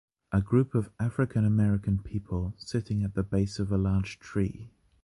A group of African American people sitting at the base of a large tree.